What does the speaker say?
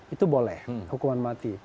itu boleh hukuman mati